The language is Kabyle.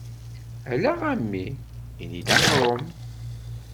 Ala a mmi, ini-d aɣrum.